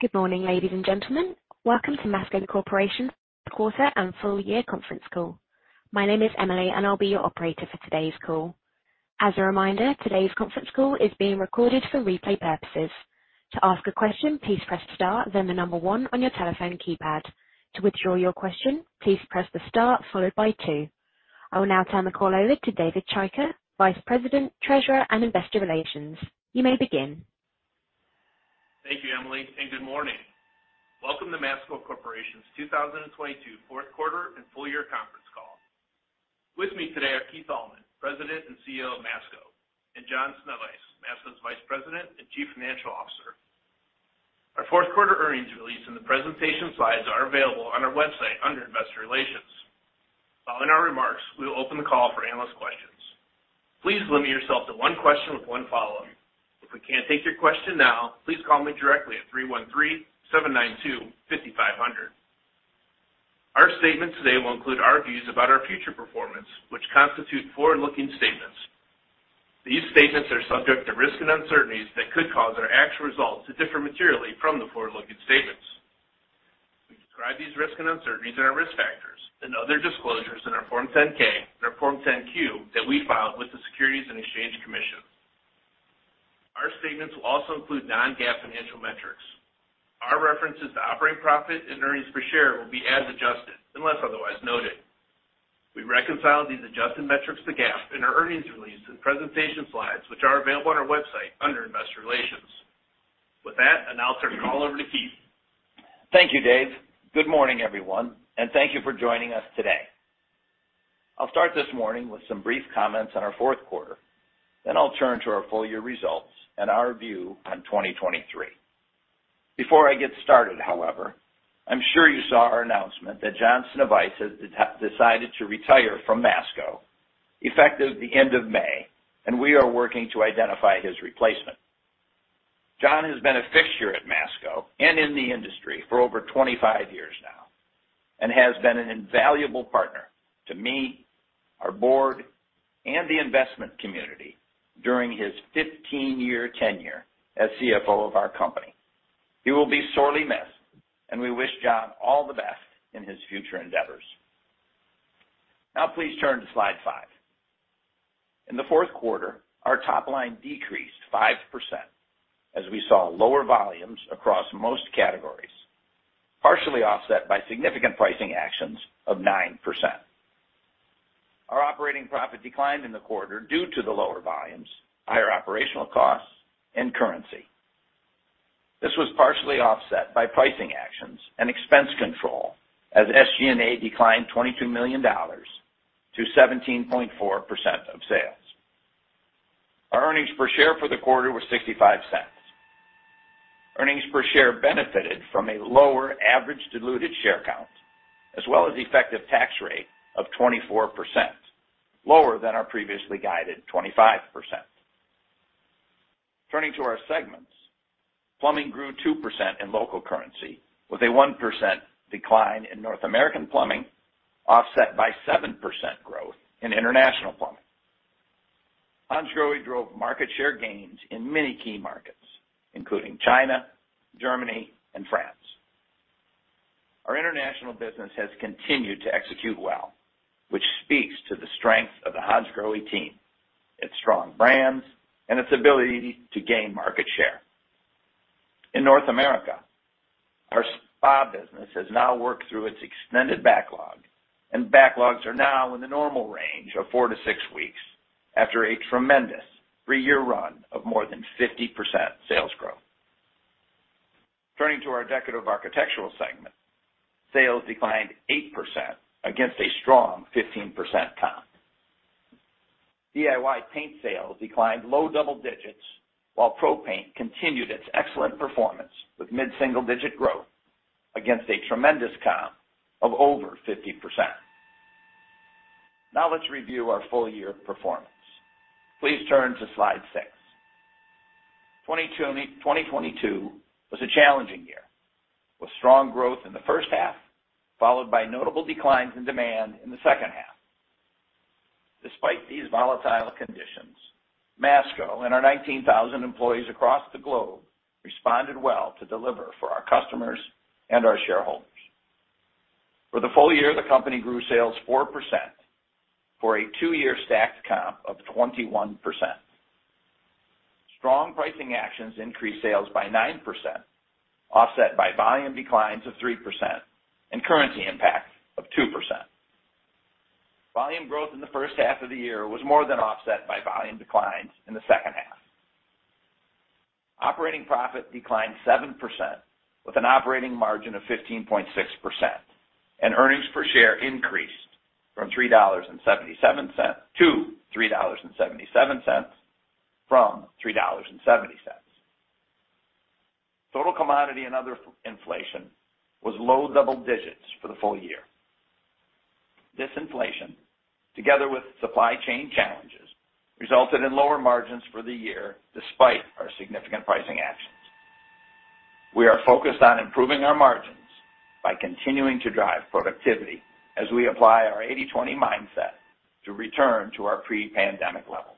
Good morning, ladies and gentlemen. Welcome to Masco Corporation's fourth quarter and full year conference call. My name is Emily, and I'll be your operator for today's call. As a reminder, today's conference call is being recorded for replay purposes. To ask a question, please press star then one on your telephone keypad. To withdraw your question, please press the star followed by two. I will now turn the call over to David Chaika, Vice President, Treasurer, and Investor Relations. You may begin. Thank you, Emily. Good morning. Welcome to Masco Corporation's 2022 Fourth Quarter and Full Year Conference Call. With me today are Keith Allman, President and CEO of Masco, and John Sznewajs, Masco's Vice President and Chief Financial Officer. Our fourth-quarter earnings release and the presentation slides are available on our website under Investor Relations. Following our remarks, we will open the call for analyst questions. Please limit yourself to one question with one follow-up. If we can't take your question now, please call me directly at 313-792-5500. Our statements today will include our views about our future performance, which constitute forward-looking statements. These statements are subject to risks and uncertainties that could cause our actual results to differ materially from the forward-looking statements. We describe these risks and uncertainties in our risk factors and other disclosures in our Form 10-K and our Form 10-Q that we filed with the Securities and Exchange Commission. Our statements will also include non-GAAP financial metrics. Our references to operating profit and earnings per share will be as adjusted, unless otherwise noted. We reconcile these adjusted metrics to GAAP in our earnings release and presentation slides, which are available on our website under Investor Relations. With that, I'll now turn the call over to Keith. Thank you, Dave. Good morning, everyone, thank you for joining us today. I'll start this morning with some brief comments on our fourth quarter, then I'll turn to our full year results and our view on 2023. Before I get started, however, I'm sure you saw our announcement that John Sznewajs has decided to retire from Masco, effective the end of May, and we are working to identify his replacement. John has been a fixture at Masco and in the industry for over 25 years now and has been an invaluable partner to me, our board, and the investment community during his 15-year tenure as CFO of our company. He will be sorely missed, we wish John all the best in his future endeavors. Now please turn to slide five. In the fourth quarter, our top line decreased 5% as we saw lower volumes across most categories, partially offset by significant pricing actions of 9%. Our operating profit declined in the quarter due to the lower volumes, higher operational costs, and currency. This was partially offset by pricing actions and expense control as SG&A declined $22 million to 17.4% of sales. Our earnings per share for the quarter were $0.65. Earnings per share benefited from a lower average diluted share count as well as effective tax rate of 24%, lower than our previously guided 25%. Turning to our segments. Plumbing grew 2% in local currency with a 1% decline in North American plumbing, offset by 7% growth in international plumbing. Hansgrohe drove market share gains in many key markets, including China, Germany, and France. Our international business has continued to execute well, which speaks to the strength of the Hansgrohe team, its strong brands, and its ability to gain market share. In North America, our spa business has now worked through its extended backlog, and backlogs are now in the normal range of four-six weeks after a tremendous three-year run of more than 50% sales growth. Turning to our Decorative Architectural segment, sales declined 8% against a strong 15% comp. DIY paint sales declined low double digits while pro paint continued its excellent performance with mid-single-digit growth against a tremendous comp of over 50%. Let's review our full year performance. Please turn to slide six. 2022 was a challenging year, with strong growth in the first half, followed by notable declines in demand in the second half. Despite these volatile conditions, Masco and our 19,000 employees across the globe responded well to deliver for our customers and our shareholders. For the full year, the company grew sales 4% for a two-year stacked comp of 21%. Strong pricing actions increased sales by 9%, offset by volume declines of 3% and currency impact of 2%. Volume growth in the first half of the year was more than offset by volume declines in the second half. Operating profit declined 7% with an operating margin of 15.6%, and earnings per share increased to $3.77 from $3.70. Total commodity and other inflation was low double digits for the full year. This inflation, together with supply chain challenges, resulted in lower margins for the year despite our significant pricing actions. We are focused on improving our margins by continuing to drive productivity as we apply our 80/20 mindset to return to our pre-pandemic levels.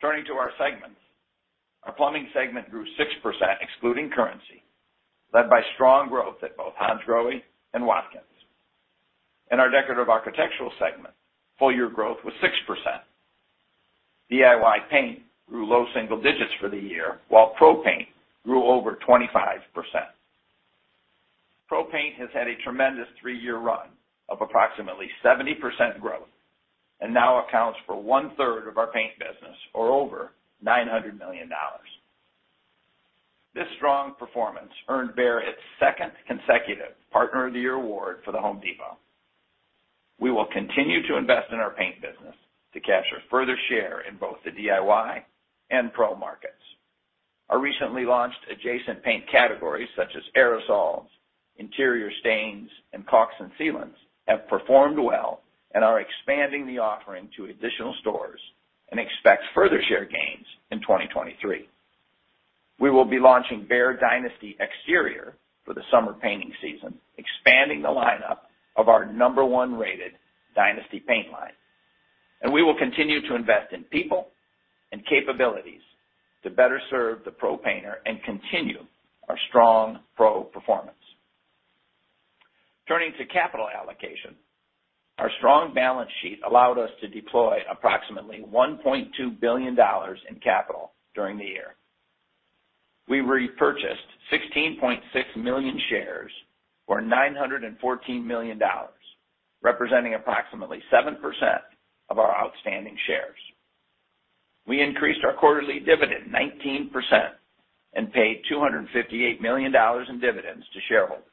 Turning to our segments. Our plumbing segment grew 6% excluding currency, led by strong growth at both Hansgrohe and Watkins. In our Decorative Architectural segment, full year growth was 6%. DIY paint grew low single digits for the year, while pro paint grew over 25%. Pro paint has had a tremendous three-year run of approximately 70% growth and now accounts for one-third of our paint business or over $900 million. This strong performance earned BEHR its second consecutive Partner of the Year award for The Home Depot. We will continue to invest in our paint business to capture further share in both the DIY and Pro markets. Our recently launched adjacent paint categories, such as aerosols, interior stains, and caulks and sealants, have performed well and are expanding the offering to additional stores and expect further share gains in 2023. We will be launching BEHR DYNASTY Exterior for the summer painting season, expanding the lineup of our number one rated DYNASTY paint line. We will continue to invest in people and capabilities to better serve the pro painter and continue our strong pro performance. Turning to capital allocation. Our strong balance sheet allowed us to deploy approximately $1.2 billion in capital during the year. We repurchased 16.6 million shares or $914 million, representing approximately 7% of our outstanding shares. We increased our quarterly dividend 19% and paid $258 million in dividends to shareholders.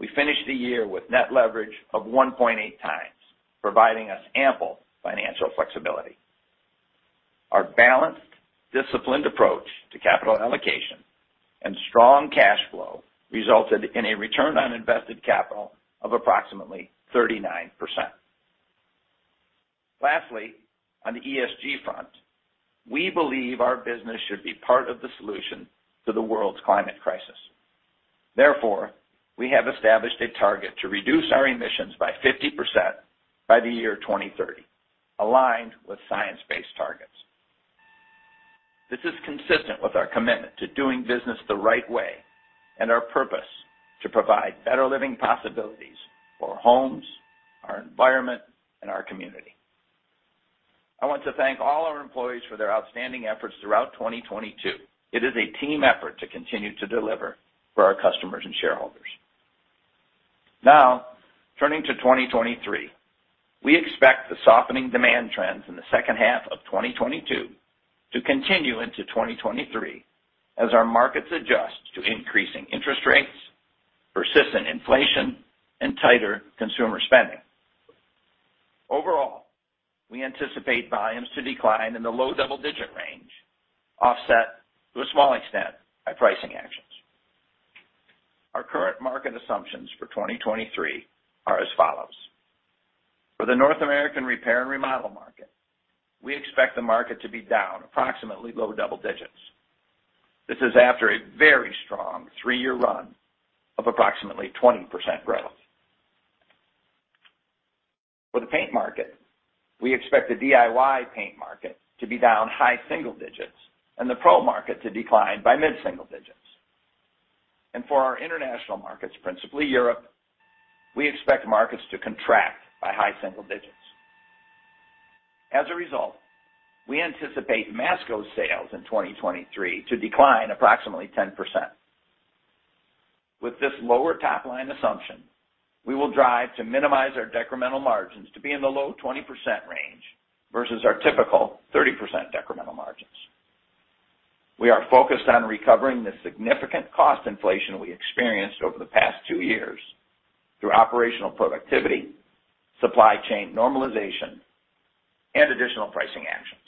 We finished the year with net leverage of 1.8 times, providing us ample financial flexibility. Our balanced, disciplined approach to capital allocation and strong cash flow resulted in a return on invested capital of approximately 39%. Lastly, on the ESG front, we believe our business should be part of the solution to the world's climate crisis. Therefore, we have established a target to reduce our emissions by 50% by the year 2030, aligned with science-based targets. This is consistent with our commitment to doing business the right way and our purpose to provide better living possibilities for homes, our environment, and our community. I want to thank all our employees for their outstanding efforts throughout 2022. It is a team effort to continue to deliver for our customers and shareholders. Turning to 2023. We expect the softening demand trends in the second half of 2022 to continue into 2023 as our markets adjust to increasing interest rates, persistent inflation, and tighter consumer spending. Overall, we anticipate volumes to decline in the low double-digit range, offset to a small extent by pricing actions. Our current market assumptions for 2023 are as follows. For the North American repair and remodel market, we expect the market to be down approximately low double digits. This is after a very strong three-year run of approximately 20% growth. For the paint market, we expect the DIY paint market to be down high single digits and the pro market to decline by mid-single digits. For our international markets, principally Europe, we expect markets to contract by high single digits. As a result, we anticipate Masco sales in 2023 to decline approximately 10%. With this lower top-line assumption, we will drive to minimize our decremental margins to be in the low 20% range versus our typical 30% decremental margins. We are focused on recovering the significant cost inflation we experienced over the past two years through operational productivity, supply chain normalization, and additional pricing actions.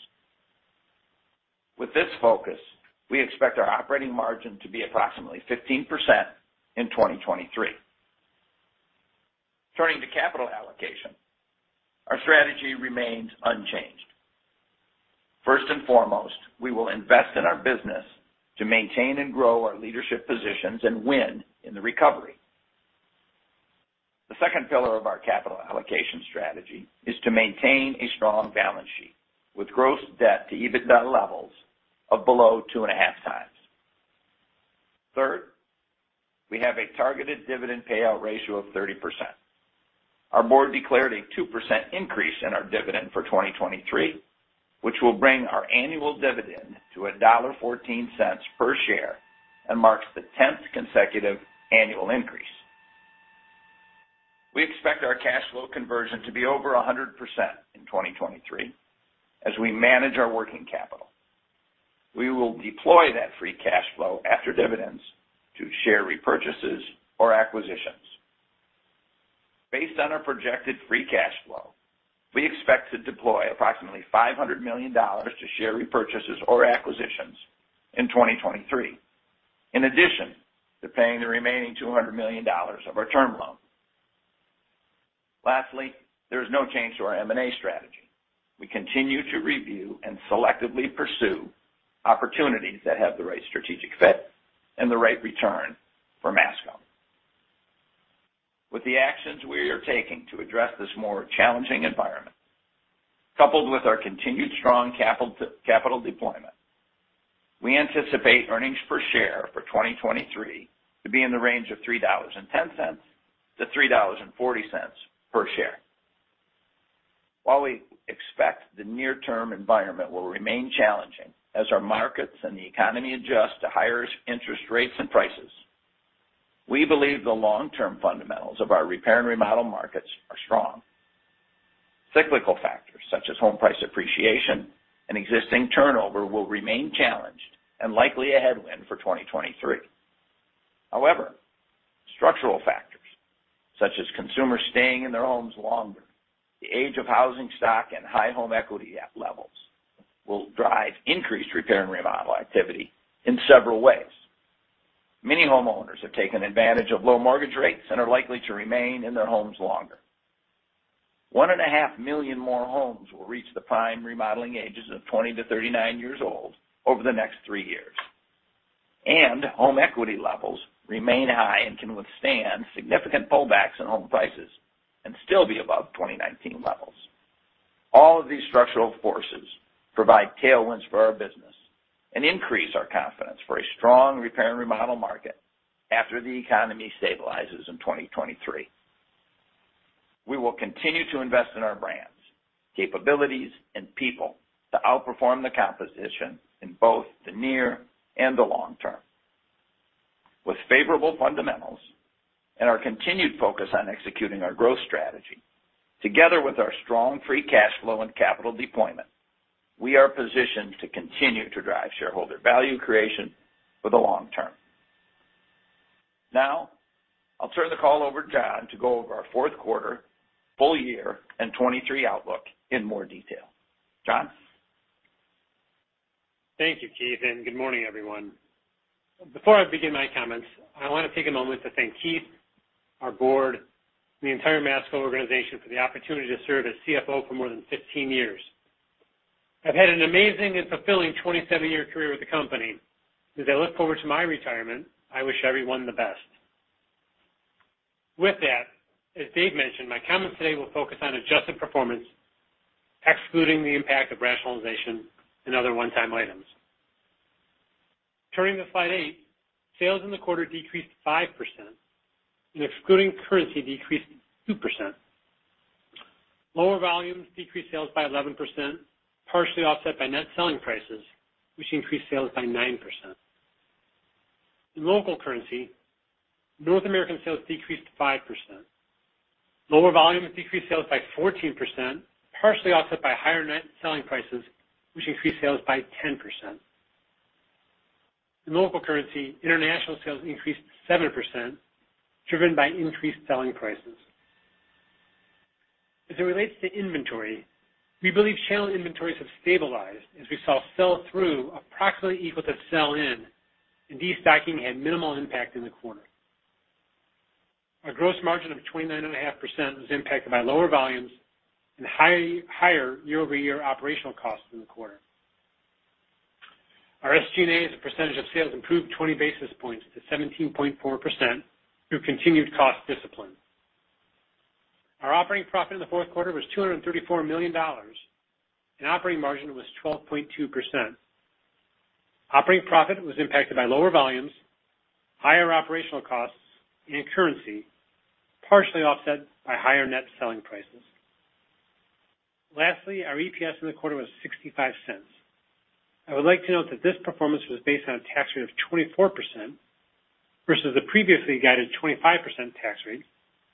With this focus, we expect our operating margin to be approximately 15% in 2023. Turning to capital allocation. Our strategy remains unchanged. First and foremost, we will invest in our business to maintain and grow our leadership positions and win in the recovery. The second pillar of our capital allocation strategy is to maintain a strong balance sheet with gross debt to EBITDA levels of below 2.5 times. Third, we have a targeted dividend payout ratio of 30%. Our board declared a 2% increase in our dividend for 2023, which will bring our annual dividend to $1.14 per share and marks the tenth consecutive annual increase. We expect our cash flow conversion to be over 100% in 2023 as we manage our working capital. We will deploy that free cash flow after dividends to share repurchases or acquisitions. Based on our projected free cash flow, we expect to deploy approximately $500 million to share repurchases or acquisitions in 2023. To paying the remaining $200 million of our term loan. There is no change to our M&A strategy. We continue to review and selectively pursue opportunities that have the right strategic fit and the right return for Masco. With the actions we are taking to address this more challenging environment, coupled with our continued strong capital deployment, we anticipate earnings per share for 2023 to be in the range of $3.10 to $3.40 per share. We expect the near-term environment will remain challenging as our markets and the economy adjust to higher interest rates and prices, we believe the long-term fundamentals of our repair and remodel markets are strong. Cyclical factors such as home price appreciation and existing turnover will remain challenged and likely a headwind for 2023. However, structural factors such as consumers staying in their homes longer, the age of housing stock and high home equity at levels will drive increased repair and remodel activity in several ways. Many homeowners have taken advantage of low mortgage rates and are likely to remain in their homes longer. 1.5 million more homes will reach the prime remodeling ages of 20-39 years old over the next three years. Home equity levels remain high and can withstand significant pullbacks in home prices and still be above 2019 levels. All of these structural forces provide tailwinds for our business and increase our confidence for a strong repair and remodel market after the economy stabilizes in 2023. We will continue to invest in our brands, capabilities, and people to outperform the competition in both the near and the long term. With favorable fundamentals and our continued focus on executing our growth strategy, together with our strong free cash flow and capital deployment, we are positioned to continue to drive shareholder value creation for the long term. Now, I'll turn the call over to John to go over our fourth quarter, full year, and 2023 outlook in more detail. John? Thank you, Keith. Good morning, everyone. Before I begin my comments, I want to take a moment to thank Keith, our board, and the entire Masco organization for the opportunity to serve as CFO for more than 15 years. I've had an amazing and fulfilling 27-year career with the company. As I look forward to my retirement, I wish everyone the best. With that, as David mentioned, my comments today will focus on adjusted performance, excluding the impact of rationalization and other one-time items. Turning to slide eight, sales in the quarter decreased 5% and excluding currency decreased 2%. Lower volumes decreased sales by 11%, partially offset by net selling prices, which increased sales by 9%. In local currency, North American sales decreased 5%. Lower volume decreased sales by 14%, partially offset by higher net selling prices, which increased sales by 10%. In local currency, international sales increased 7%, driven by increased selling prices. As it relates to inventory, we believe channel inventories have stabilized as we saw sell-through approximately equal to sell-in, and destocking had minimal impact in the quarter. Our gross margin of 29.5% was impacted by lower volumes and higher year-over-year operational costs in the quarter. Our SG&A as a percentage of sales improved 20 basis points to 17.4% through continued cost discipline. Our operating profit in the fourth quarter was $234 million and operating margin was 12.2%. Operating profit was impacted by lower volumes, higher operational costs, and currency, partially offset by higher net selling prices. Our EPS in the quarter was $0.65. I would like to note that this performance was based on a tax rate of 24% versus the previously guided 25% tax rate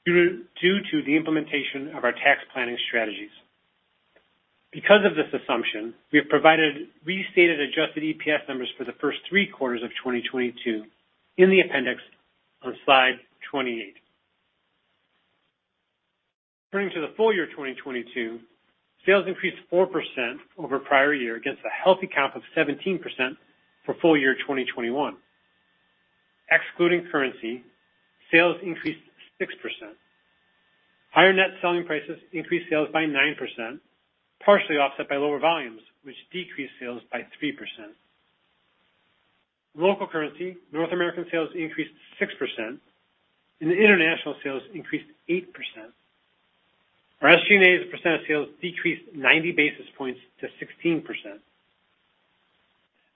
due to the implementation of our tax planning strategies. Because of this assumption, we have provided restated adjusted EPS numbers for the first three quarters of 2022 in the appendix on slide 28. Turning to the full year 2022, sales increased 4% over prior year against a healthy count of 17% for full year 2021. Excluding currency, sales increased 6%. Higher net selling prices increased sales by 9%, partially offset by lower volumes, which decreased sales by 3%. In local currency, North American sales increased 6% and the international sales increased 8%. Our SG&A as a percent of sales decreased 90 basis points to 16%.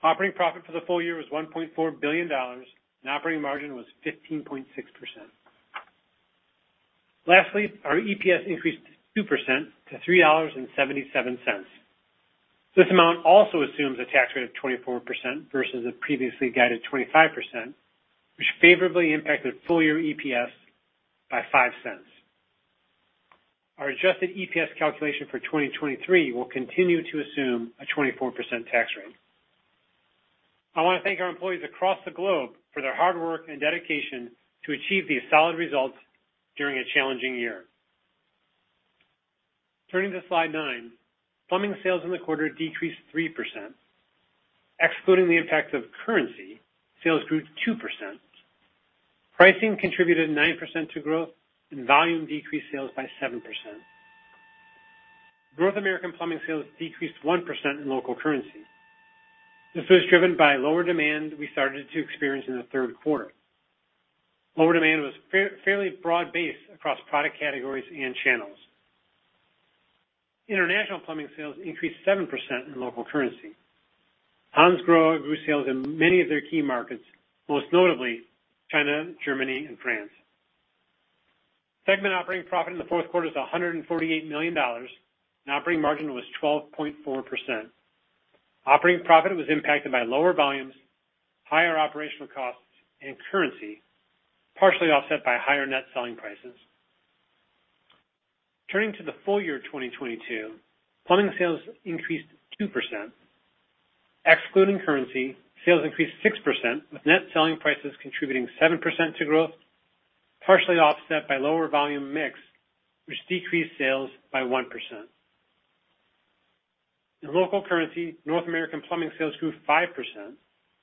Operating profit for the full year was $1.4 billion and operating margin was 15.6%. Lastly, our EPS increased 2% to $3.77. This amount also assumes a tax rate of 24% versus a previously guided 25%, which favorably impacted full year EPS by $0.05. Our adjusted EPS calculation for 2023 will continue to assume a 24% tax rate. I want to thank our employees across the globe for their hard work and dedication to achieve these solid results during a challenging year. Turning to slide nine. Plumbing sales in the quarter decreased 3%. Excluding the impact of currency, sales grew 2%. Pricing contributed 9% to growth, and volume decreased sales by 7%. North American plumbing sales decreased 1% in local currency. This was driven by lower demand we started to experience in the third quarter. Lower demand was fairly broad-based across product categories and channels. International plumbing sales increased 7% in local currency. Hansgrohe grew sales in many of their key markets, most notably China, Germany, and France. Segment operating profit in the fourth quarter is $148 million, and operating margin was 12.4%. Operating profit was impacted by lower volumes, higher operational costs and currency, partially offset by higher net selling prices. Turning to the full year 2022, plumbing sales increased 2%. Excluding currency, sales increased 6%, with net selling prices contributing 7% to growth, partially offset by lower volume mix, which decreased sales by 1%. In local currency, North American plumbing sales grew 5%,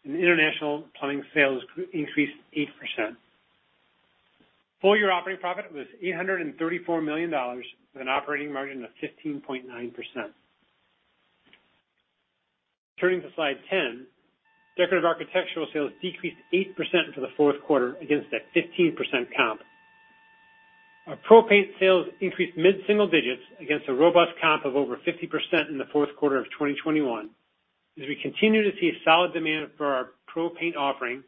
and international plumbing sales increased 8%. Full year operating profit was $834 million, with an operating margin of 15.9%. Turning to slide 10. Decorative Architectural sales decreased 8% for the fourth quarter against that 15% comp. Our pro paint sales increased mid-single digits against a robust comp of over 50% in the fourth quarter of 2021, as we continue to see solid demand for our pro paint offering,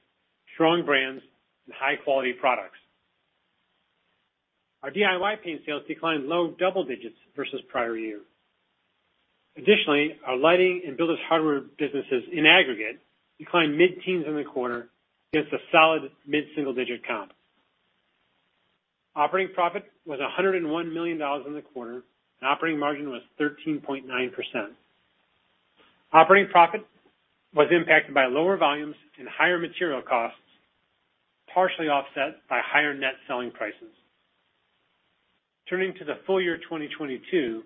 strong brands and high-quality products. Our DIY paint sales declined low double digits versus prior year. Additionally, our lighting and builders hardware businesses in aggregate declined mid-teens in the quarter against a solid mid-single-digit comp. Operating profit was $101 million in the quarter, and operating margin was 13.9%. Operating profit was impacted by lower volumes and higher material costs, partially offset by higher net selling prices. Turning to the full year 2022,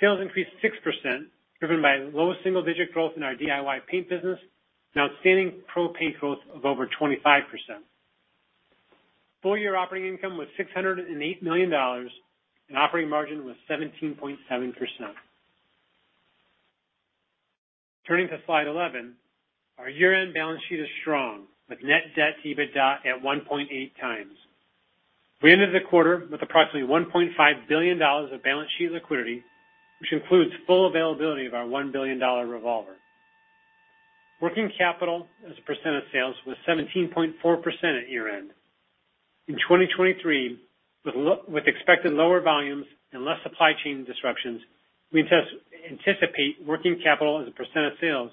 sales increased 6%, driven by low single-digit growth in our DIY paint business and outstanding pro paint growth of over 25%. Full year operating income was $608 million, and operating margin was 17.7%. Turning to slide 11. Our year-end balance sheet is strong, with net debt to EBITDA at 1.8x. We ended the quarter with approximately $1.5 billion of balance sheet liquidity, which includes full availability of our $1 billion revolver. Working capital as a percent of sales was 17.4% at year-end. In 2023, with expected lower volumes and less supply chain disruptions, we anticipate working capital as a percent of sales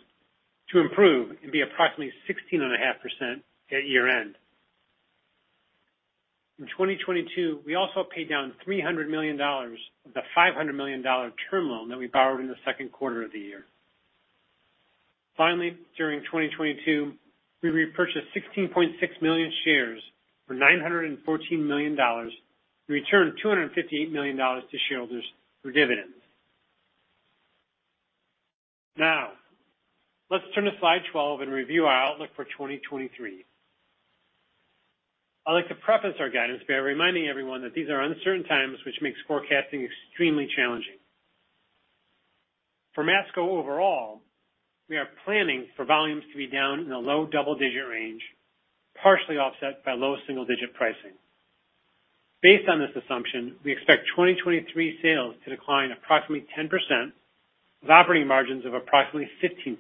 to improve and be approximately 16.5% at year-end. In 2022, we also paid down $300 million of the $500 million term loan that we borrowed in the second quarter of the year. During 2022, we repurchased 16.6 million shares for $914 million and returned $258 million to shareholders through dividends. Let's turn to slide 12 and review our outlook for 2023. I'd like to preface our guidance by reminding everyone that these are uncertain times, which makes forecasting extremely challenging. For Masco overall, we are planning for volumes to be down in the low double-digit range, partially offset by low single-digit % pricing. Based on this assumption, we expect 2023 sales to decline approximately 10%, with operating margins of approximately 15%.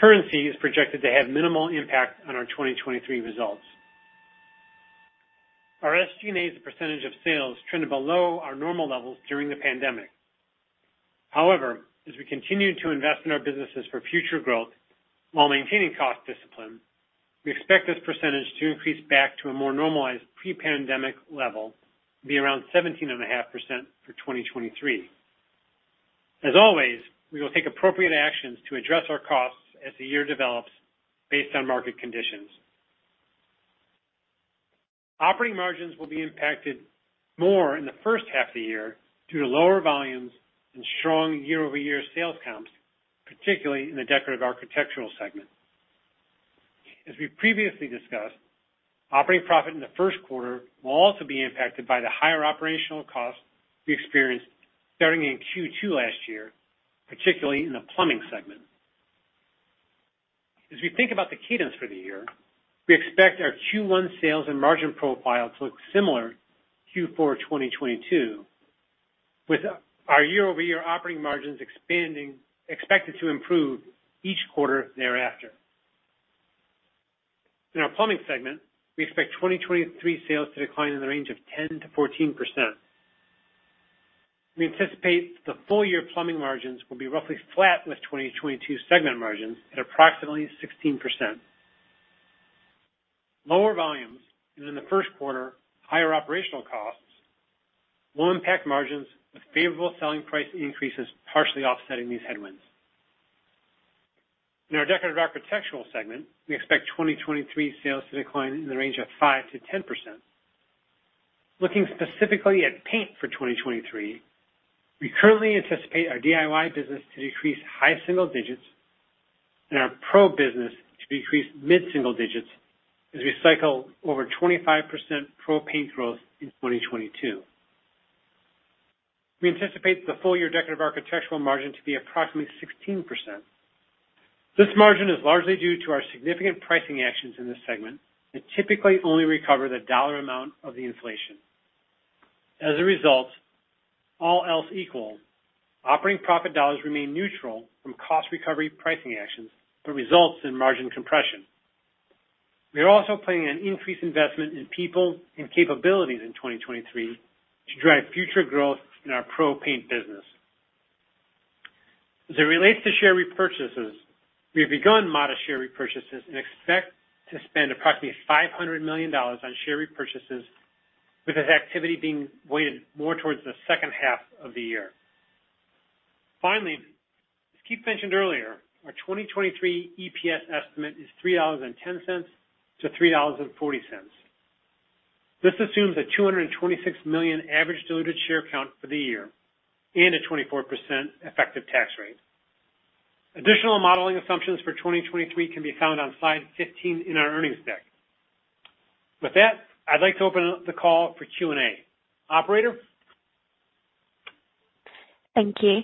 Currency is projected to have minimal impact on our 2023 results. Our SG&A as a percentage of sales trended below our normal levels during the pandemic. However, as we continue to invest in our businesses for future growth while maintaining cost discipline, we expect this percentage to increase back to a more normalized pre-pandemic level, to be around 17.5% for 2023. As always, we will take appropriate actions to address our costs as the year develops based on market conditions. Operating margins will be impacted more in the first half of the year due to lower volumes and strong year-over-year sales comps, particularly in the Decorative Architectural segment. As we previously discussed, operating profit in the first quarter will also be impacted by the higher operational costs we experienced starting in Q2 last year, particularly in the plumbing segment. As we think about the cadence for the year, we expect our Q1 sales and margin profile to look similar Q4 2022, with our year-over-year operating margins expected to improve each quarter thereafter. In our plumbing segment, we expect 2023 sales to decline in the range of 10%-14%. We anticipate the full-year plumbing margins will be roughly flat with 2022 segment margins at approximately 16%. Lower volumes and in the first quarter, higher operational costs will impact margins with favorable selling price increases partially offsetting these headwinds. In our Decorative Architectural segment, we expect 2023 sales to decline in the range of 5%-10%. Looking specifically at paint for 2023, we currently anticipate our DIY business to decrease high single digits and our pro business to decrease mid-single digits as we cycle over 25% pro paint growth in 2022. We anticipate the full year Decorative Architectural margin to be approximately 16%. This margin is largely due to our significant pricing actions in this segment and typically only recover the dollar amount of the inflation. All else equal, operating profit dollars remain neutral from cost recovery pricing actions, but results in margin compression. We are also planning an increased investment in people and capabilities in 2023 to drive future growth in our pro paint business. As it relates to share repurchases, we have begun modest share repurchases and expect to spend approximately $500 million on share repurchases, with this activity being weighted more towards the second half of the year. As Keith mentioned earlier, our 2023 EPS estimate is $3.10-$3.40. This assumes a 226 million average diluted share count for the year and a 24% effective tax rate. Additional modeling assumptions for 2023 can be found on slide 15 in our earnings deck. I'd like to open up the call for Q&A. Operator? Thank you.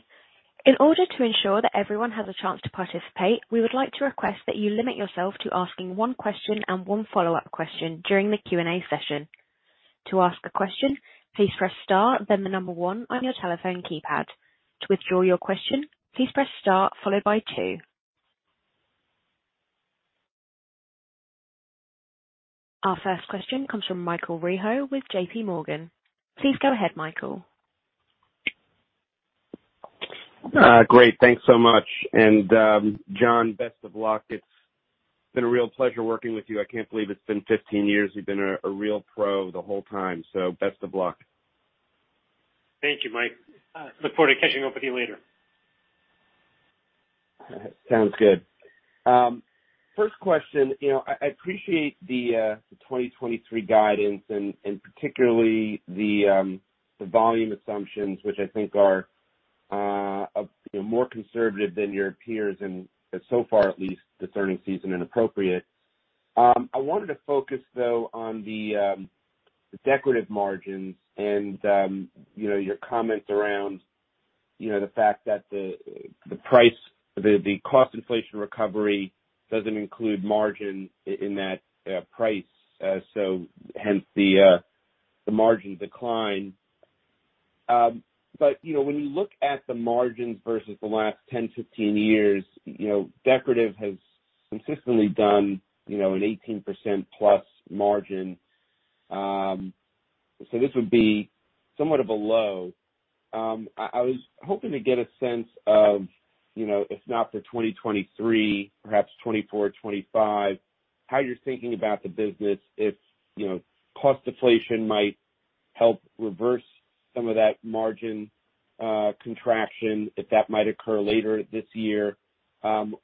In order to ensure that everyone has a chance to participate, we would like to request that you limit yourself to asking one question and one follow-up question during the Q&A session. To ask a question, please press star then the number one on your telephone keypad. To withdraw your question, please press star followed by two. Our first question comes from Michael Rehaut with J.P. Morgan. Please go ahead, Michael. Great, thanks so much. John, best of luck. It's been a real pleasure working with you. I can't believe it's been 15 years. You've been a real pro the whole time, so best of luck. Thank you, Mike. Look forward to catching up with you later. Sounds good. First question, you know, I appreciate the 2023 guidance and particularly the volume assumptions, which I think are, you know, more conservative than your peers and so far at least this earning season and appropriate. I wanted to focus though on the decorative margins, and, you know, your comments around, you know, the fact that the cost inflation recovery doesn't include margin in that price. Hence the margin decline. You know, when you look at the margins versus the last 10, 15 years, you know, decorative has consistently done, you know, an 18%+ margin. This would be somewhat of a low. I was hoping to get a sense of, you know, if not for 2023, perhaps 2024, 2025, how you're thinking about the business if, you know, cost deflation might help reverse some of that margin contraction, if that might occur later this year,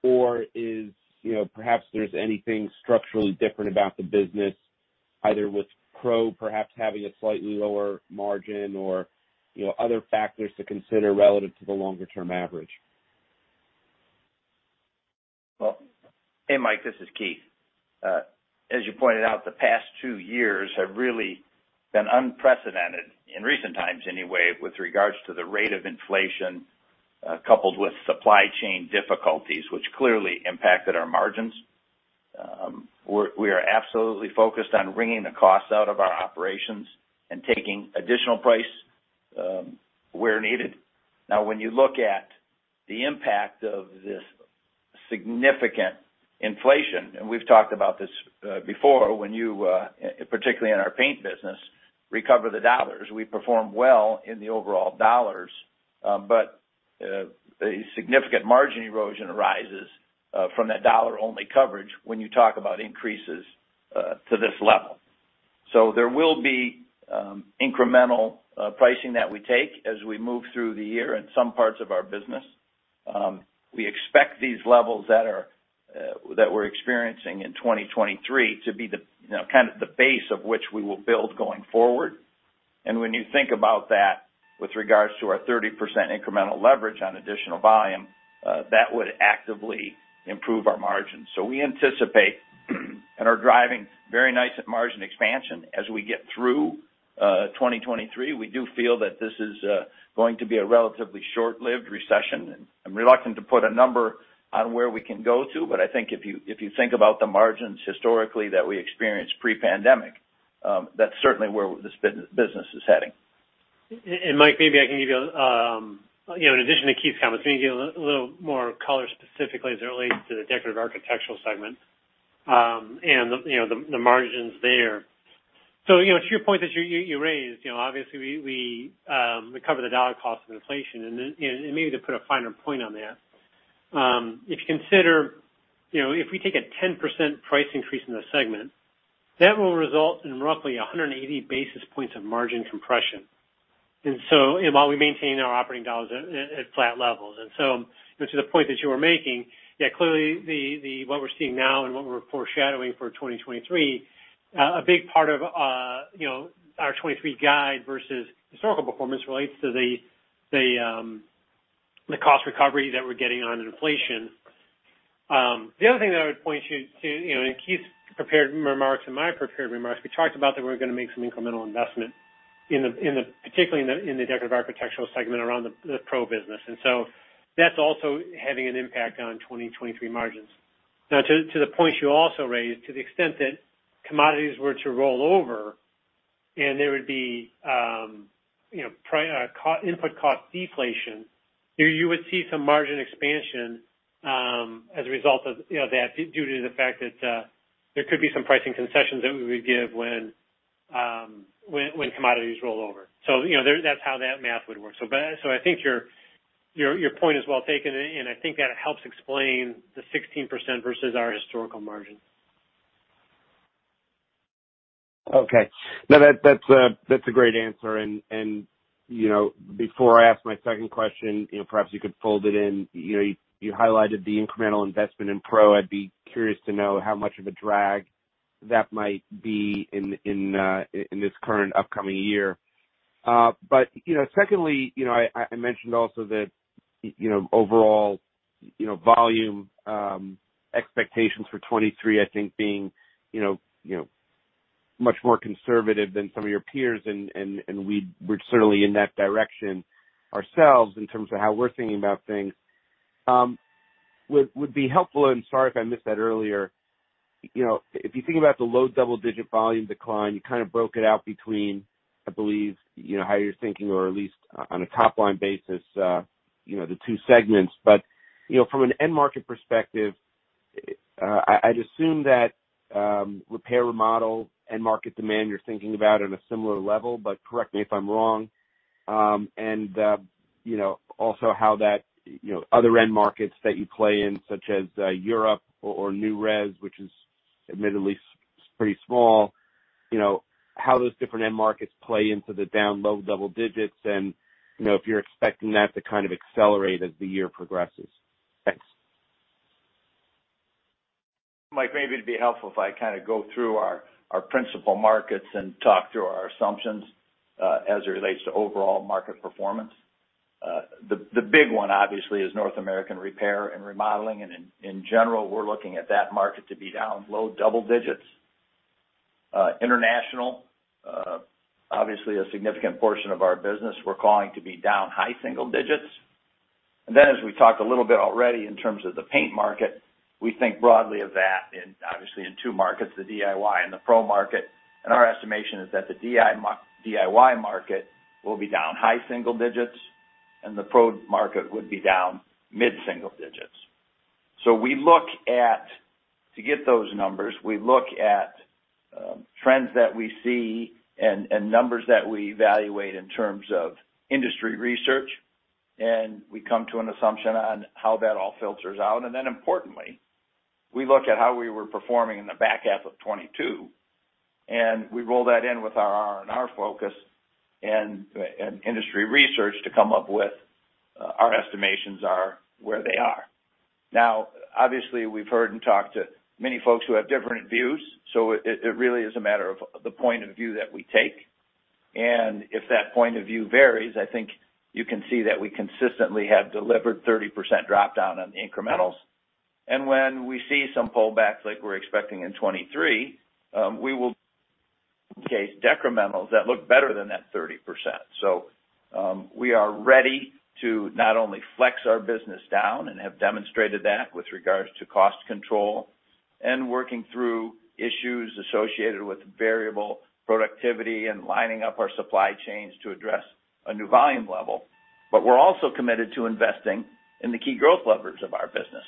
or is, you know, perhaps there's anything structurally different about the business, either with Pro perhaps having a slightly lower margin or, you know, other factors to consider relative to the longer term average? Well, hey, Mike, this is Keith. As you pointed out, the past two years have really been unprecedented in recent times anyway, with regards to the rate of inflation, coupled with supply chain difficulties which clearly impacted our margins. We are absolutely focused on wringing the cost out of our operations and taking additional price, where needed. When you look at the impact of this significant inflation, and we've talked about this, before, when you, particularly in our paint business, recover the dollars, we perform well in the overall dollars. But a significant margin erosion arises from that dollar-only coverage when you talk about increases to this level. There will be incremental pricing that we take as we move through the year in some parts of our business. We expect these levels that are that we're experiencing in 2023 to be the base of which we will build going forward. When you think about that with regards to our 30% incremental leverage on additional volume, that would actively improve our margins. We anticipate and are driving very nice at margin expansion as we get through 2023. We do feel that this is going to be a relatively short-lived recession. I'm reluctant to put a number on where we can go to, but I think if you, if you think about the margins historically that we experienced pre-pandemic, that's certainly where this business is heading. Mike, maybe I can give you know, in addition to Keith's comments, maybe give you a little more color specifically as it relates to the Decorative Architectural segment, and, you know, the margins there. You know, to your point that you raised, you know, obviously we cover the dollar cost of inflation and maybe to put a finer point on that, if you consider, you know, if we take a 10% price increase in the segment, that will result in roughly 180 basis points of margin compression. While we maintain our operating dollars at flat levels. To the point that you were making, yeah, clearly the what we're seeing now and what we're foreshadowing for 2023, a big part of, you know, our 2023 guide versus historical performance relates to the cost recovery that we're getting on inflation. The other thing that I would point you to, you know, in Keith's prepared remarks and my prepared remarks, we talked about that we're gonna make some incremental investment particularly in the Decorative Architectural segment around the pro business. That's also having an impact on 2023 margins. To the point you also raised, to the extent that commodities were to roll over and there would be, you know, co-input cost deflation, you know, you would see some margin expansion, as a result of, you know, that due to the fact that there could be some pricing concessions that we would give when commodities roll over. You know, that's how that math would work. I think your point is well taken, and I think that helps explain the 16% versus our historical margin. Okay. No, that's a great answer. You know, before I ask my second question, you know, perhaps you could fold it in. You know, you highlighted the incremental investment in pro. I'd be curious to know how much of a drag that might be in this current upcoming year. You know, secondly, I mentioned also that, you know, overall, volume, expectations for 2023, I think being, you know, much more conservative than some of your peers, and we're certainly in that direction ourselves in terms of how we're thinking about things. What would be helpful, and sorry if I missed that earlier, you know, if you think about the low double-digit volume decline, you kind of broke it out between, I believe, you know, how you're thinking or at least on a top-line basis, you know, the two segments. From an end market perspective, I'd assume that, repair remodel and market demand, you're thinking about on a similar level, but correct me if I'm wrong. Also how that, you know, other end markets that you play in, such as Europe or new res, which is admittedly pretty small. You know, how those different end markets play into the down low double digits and, you know, if you're expecting that to kind of accelerate as the year progresses? Thanks. Mike, maybe it'd be helpful if I kind of go through our principal markets and talk through our assumptions as it relates to overall market performance. The big one obviously is North American Repair and Remodeling, and in general, we're looking at that market to be down low double digits%. International, obviously a significant portion of our business we're calling to be down high single digits%. As we talked a little bit already in terms of the paint market, we think broadly of that in obviously in two markets, the DIY and the pro market. Our estimation is that the DIY market will be down high single digits%, and the pro market would be down mid-single digits%. We look at to get those numbers, we look at trends that we see and numbers that we evaluate in terms of industry research, and we come to an assumption on how that all filters out. Importantly, we look at how we were performing in the back half of 2022, and we roll that in with our R&R focus and industry research to come up with our estimations are where they are. Now, obviously, we've heard and talked to many folks who have different views, so it really is a matter of the point of view that we take. If that point of view varies, I think you can see that we consistently have delivered 30% drop down on incrementals. When we see some pullbacks like we're expecting in 2023, we will case decrementals that look better than that 30%. We are ready to not only flex our business down and have demonstrated that with regards to cost control and working through issues associated with variable productivity and lining up our supply chains to address a new volume level, but we're also committed to investing in the key growth levers of our business.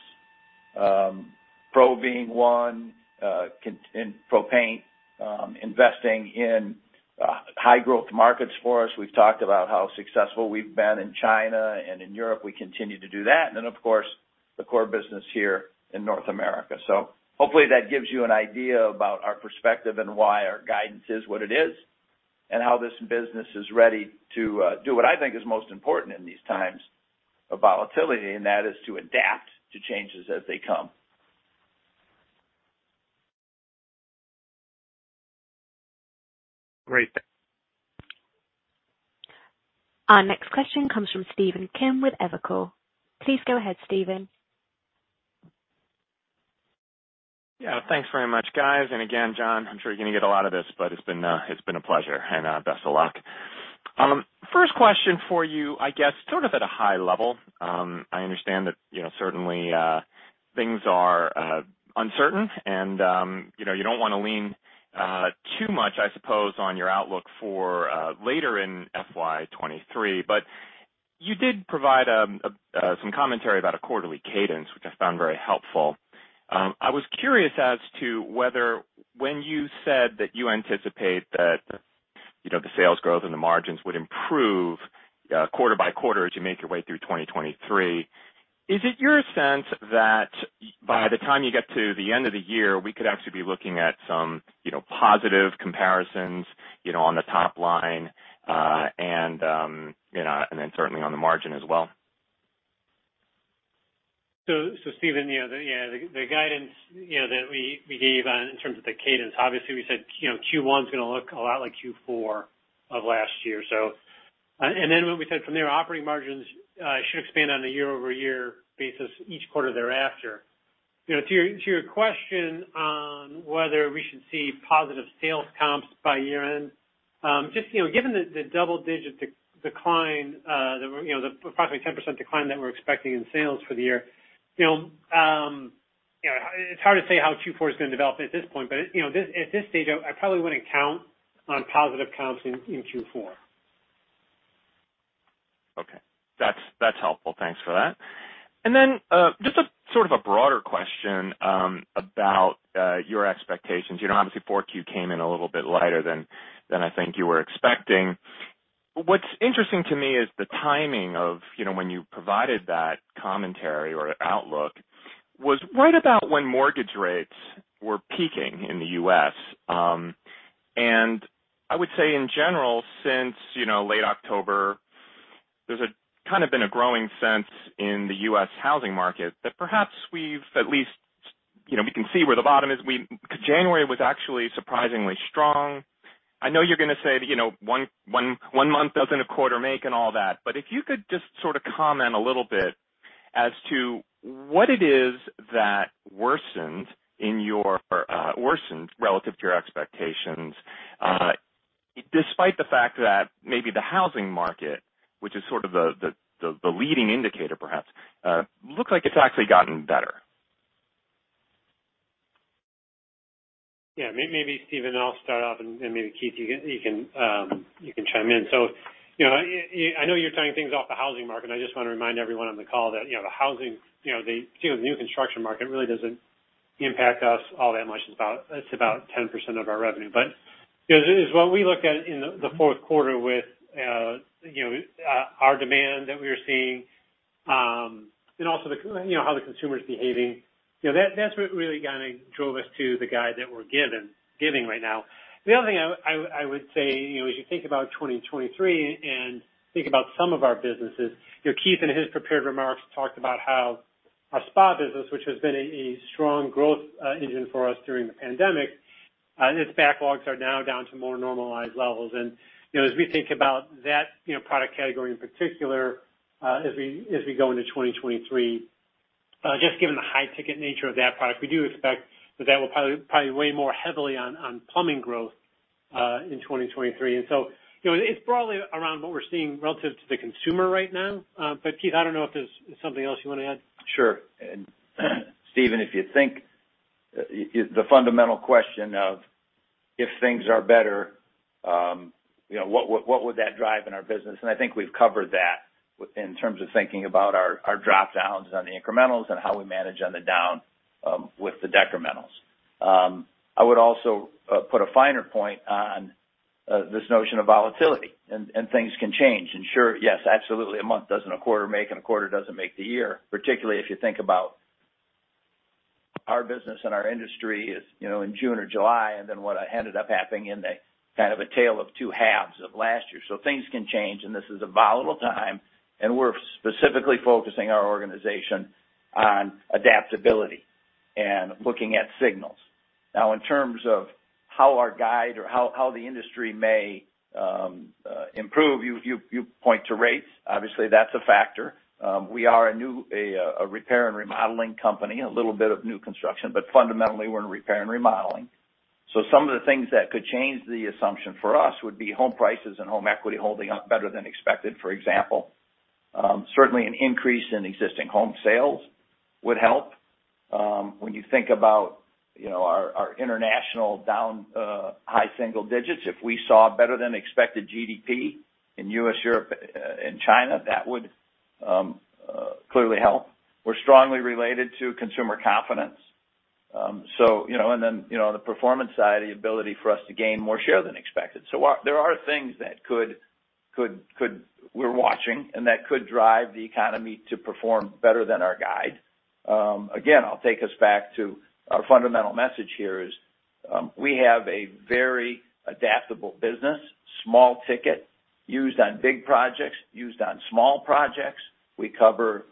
Pro being one, in pro paint, investing in high growth markets for us. We've talked about how successful we've been in China and in Europe. We continue to do that. Then, of course, the core business here in North America. Hopefully that gives you an idea about our perspective and why our guidance is what it is and how this business is ready to do what I think is most important in these times of volatility, and that is to adapt to changes as they come. Great. Our next question comes from Stephen Kim with Evercore. Please go ahead, Stephen. Yeah. Thanks very much, guys. Again, John, I'm sure you're gonna get a lot of this, but it's been a pleasure and best of luck. First question for you, I guess sort of at a high level, I understand that, you know, certainly, things are uncertain and, you know, you don't wanna lean too much, I suppose, on your outlook for later in FY 2023. You did provide some commentary about a quarterly cadence, which I found very helpful. I was curious as to whether when you said that you anticipate that, you know, the sales growth and the margins would improve, quarter by quarter as you make your way through 2023, is it your sense that by the time you get to the end of the year, we could actually be looking at some, you know, positive comparisons, you know, on the top line, and, you know, and then certainly on the margin as well? Stephen, you know, the guidance, you know, that we gave on in terms of the cadence, obviously we said, you know, Q1's gonna look a lot like Q4 of last year. When we said from there operating margins should expand on a year-over-year basis each quarter thereafter. You know, to your question on whether we should see positive sales comps by year-end, just, you know, given the double-digit decline that we're, you know, the approximately 10% decline that we're expecting in sales for the year, you know, it's hard to say how Q4 is gonna develop at this point, but, you know, this, at this stage, I probably wouldn't count on positive comps in Q4. Okay. That's helpful. Thanks for that. Then, just a sort of a broader question, about your expectations. You know, obviously 4Q came in a little bit lighter than I think you were expecting. What's interesting to me is the timing of, you know, when you provided that commentary or outlook was right about when mortgage rates were peaking in the U.S. I would say in general, since, you know, late October, there's a kind of been a growing sense in the U.S. housing market that perhaps we've at least, you know, we can see where the bottom is. January was actually surprisingly strong. I know you're gonna say that, you know, one month doesn't a quarter make and all that. If you could just sort of comment a little bit as to what it is that worsened relative to your expectations, despite the fact that maybe the housing market, which is sort of the, the leading indicator perhaps, looks like it's actually gotten better. Yeah. Maybe Stephen, I'll start off and maybe Keith you can chime in. You know, I know you're tying things off the housing market. I just wanna remind everyone on the call that, you know, the housing, you know, the new construction market really doesn't impact us all that much. It's about 10% of our revenue. You know, as what we look at in the fourth quarter with, you know, our demand that we are seeing, and also, you know, how the consumer's behaving, you know, that's what really kinda drove us to the guide that we're giving right now. The other thing I would say, you know, as you think about 2023 and think about some of our businesses, you know, Keith in his prepared remarks talked about how our spa business, which has been a strong growth engine for us during the pandemic, its backlogs are now down to more normalized levels. You know, as we think about that, you know, product category in particular, as we go into 2023, just given the high ticket nature of that product, we do expect that will probably weigh more heavily on plumbing growth in 2023. You know, it's broadly around what we're seeing relative to the consumer right now. But Keith, I don't know if there's something else you wanna add. Sure. Stephen, if you think the fundamental question of if things are better, you know, what would that drive in our business? I think we've covered that in terms of thinking about our drop downs on the incrementals and how we manage on the down with the decrementals. I would also put a finer point on this notion of volatility and things can change. Sure, yes, absolutely a month doesn't a quarter make and a quarter doesn't make the year, particularly if you think about our business and our industry is, you know, in June or July, then what ended up happening in the kind of a tale of two halves of last year. Things can change and this is a volatile time and we're specifically focusing our organization on adaptability and looking at signals. In terms of how our guide or how the industry may improve, you point to rates, obviously that's a factor. We are a repair and remodeling company, a little bit of new construction, but fundamentally we're in repair and remodeling. Some of the things that could change the assumption for us would be home prices and home equity holding up better than expected, for example. Certainly an increase in existing home sales would help. When you think about, you know, our international down high single digits, if we saw better than expected GDP in U.S., Europe, in China, that would clearly help. We're strongly related to consumer confidence. You know, on the performance side, the ability for us to gain more share than expected. There are things that we're watching and that could drive the economy to perform better than our guide. Again, I'll take us back to our fundamental message here is, we have a very adaptable business, small ticket used on big projects, used on small projects. We cover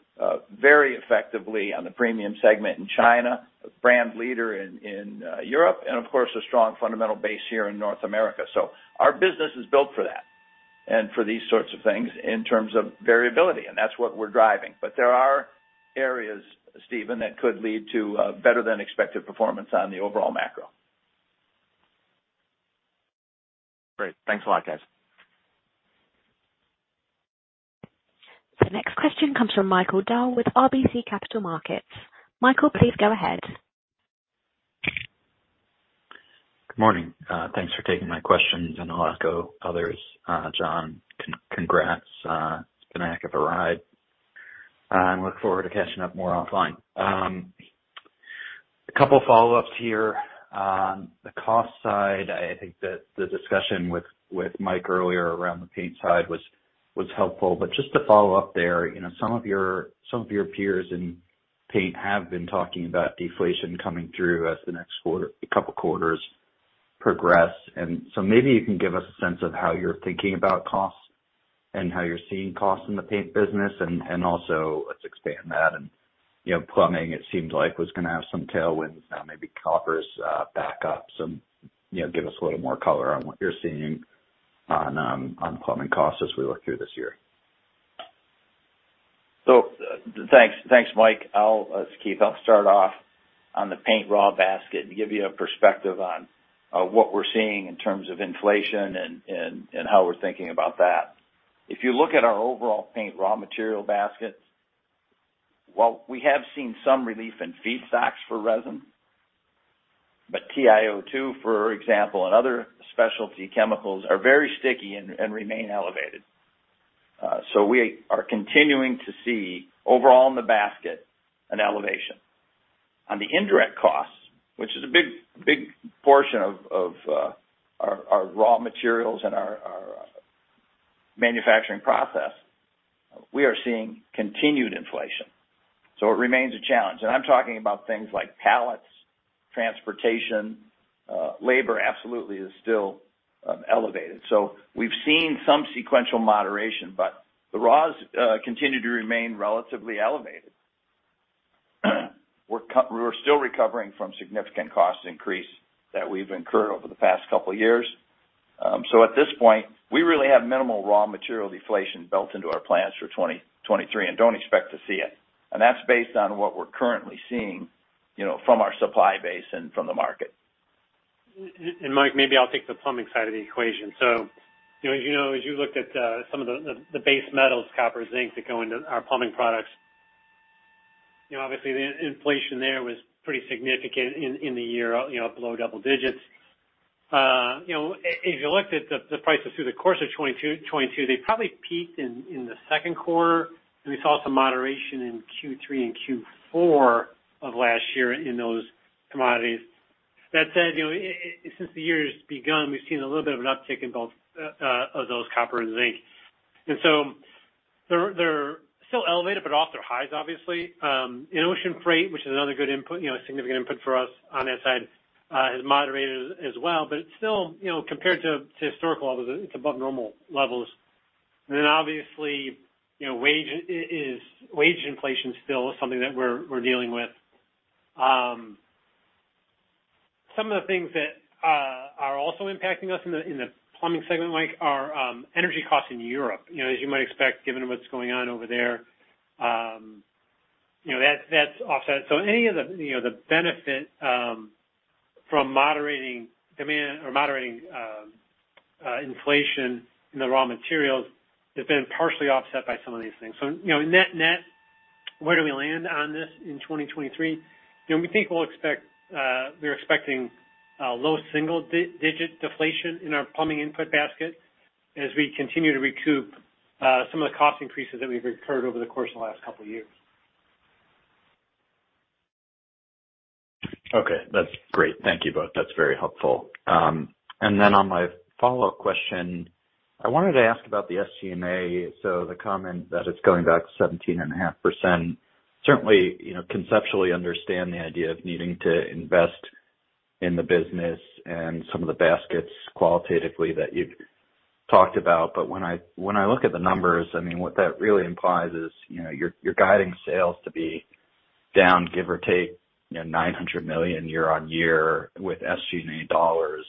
very effectively on the premium segment in China, a brand leader in Europe, and of course a strong fundamental base here in North America. Our business is built for that and for these sorts of things in terms of variability, and that's what we're driving. There are areas, Stephen, that could lead to better than expected performance on the overall macro. Great. Thanks a lot, guys. The next question comes from Michael Dahl with RBC Capital Markets. Michael, please go ahead. Good morning. Thanks for taking my questions and I'll ask others. John, congrats. It's been a heck of a ride, and look forward to catching up more offline. A couple follow-ups here on the cost side. I think that the discussion with Mike earlier around the paint side was helpful. Just to follow up there, you know, some of your peers in paint have been talking about deflation coming through as the next couple quarters progress. Maybe you can give us a sense of how you're thinking about costs and how you're seeing costs in the paint business? Also let's expand that and, you know, plumbing, it seems like was gonna have some tailwinds. Now maybe copper is back up some. You know, give us a little more color on what you're seeing on plumbing costs as we look through this year? Thanks. Thanks, Mike. Keith, I'll start off on the paint raw basket and give you a perspective on what we're seeing in terms of inflation and how we're thinking about that. If you look at our overall paint raw material baskets, while we have seen some relief in feedstocks for resin, but TIO2, for example, and other specialty chemicals are very sticky and remain elevated. We are continuing to see overall in the basket an elevation. On the indirect costs, which is a big portion of our raw materials and our manufacturing process, we are seeing continued inflation, so it remains a challenge. I'm talking about things like pallets, transportation, labor absolutely is still elevated. We've seen some sequential moderation, but the raws continue to remain relatively elevated. We're still recovering from significant cost increase that we've incurred over the past couple years. At this point, we really have minimal raw material deflation built into our plans for 2023 and don't expect to see it. That's based on what we're currently seeing, you know, from our supply base and from the market. Mike, maybe I'll take the plumbing side of the equation. You know, as you know, as you looked at some of the base metals, copper, zinc that go into our plumbing products, you know, obviously the inflation there was pretty significant in the year, you know, below double digits. If you looked at the prices through the course of 2022, they probably peaked in the second quarter, and we saw some moderation in Q3 and Q4 of last year in those commodities. That said, you know, since the year's begun, we've seen a little bit of an uptick in both of those copper and zinc. They're still elevated, but off their highs obviously. Ocean freight, which is another good input, you know, a significant input for us on that side, has moderated as well, but it's still, you know, compared to historical levels, it's above normal levels. Obviously, you know, wage inflation still is something that we're dealing with. Some of the things that are also impacting us in the plumbing segment, Mike, are energy costs in Europe. You know, as you might expect, given what's going on over there, you know, that's offset. Any of the, you know, the benefit from moderating demand or moderating inflation in the raw materials has been partially offset by some of these things. You know, net, where do we land on this in 2023? You know, we think we'll expect, we're expecting a low single-digit deflation in our plumbing input basket as we continue to recoup, some of the cost increases that we've incurred over the course of the last couple years. That's great. Thank you both. That's very helpful. On my follow-up question, I wanted to ask about the SG&A. The comment that it's going back 17.5%, certainly, you know, conceptually understand the idea of needing to invest in the business and some of the baskets qualitatively that you've talked about. When I, when I look at the numbers, I mean, what that really implies is, you know, you're guiding sales to be down, give or take, you know, $900 million year-on-year with SG&A dollars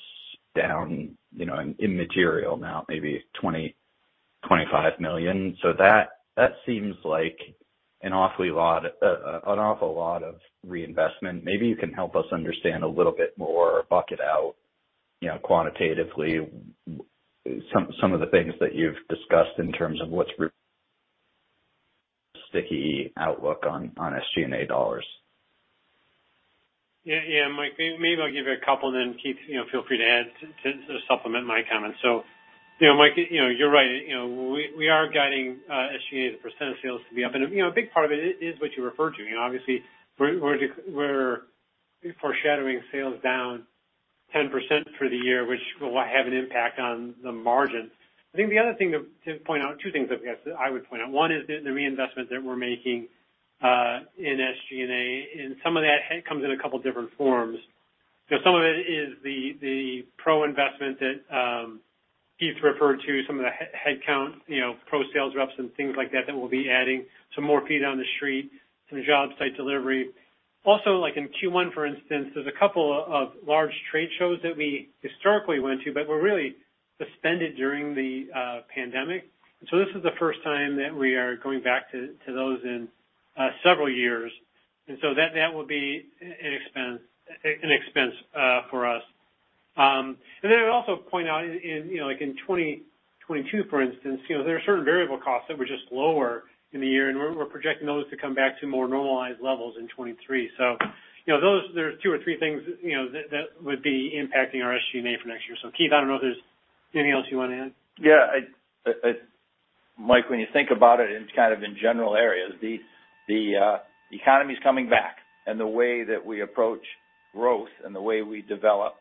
down, you know, in material now maybe $20 million-$25 million. That seems like an awful lot of reinvestment. Maybe you can help us understand a little bit more or bucket out, you know, quantitatively some of the things that you've discussed in terms of what's sticky outlook on SG&A dollars. Yeah, Mike, maybe I'll give you a couple and then Keith, you know, feel free to add to supplement my comments. You know, Mike, you know, you're right. You know, we are guiding SG&A as a percent of sales to be up. You know, a big part of it is what you referred to. You know, obviously, we're foreshadowing sales down 10% for the year, which will have an impact on the margins. I think the other thing to point out, two things I guess I would point out, one is the reinvestment that we're making in SG&A, and some of that comes in a couple different forms. You know, some of it is the pro investment that Keith referred to, some of the headcount, you know, pro sales reps and things like that we'll be adding some more feet on the street, some job site delivery. Like in Q1, for instance, there's a couple of large trade shows that we historically went to, but were really suspended during the pandemic. This is the first time that we are going back to those in several years. That will be an expense for us. I'd also point out in, you know, like in 2022, for instance, you know, there are certain variable costs that were just lower in the year, and we're projecting those to come back to more normalized levels in 2023. You know, those, there's two or three things, you know, that would be impacting our SG&A for next year. Keith, I don't know if there's anything else you wanna add. Mike, when you think about it in kind of in general areas, the economy's coming back. The way that we approach growth and the way we develop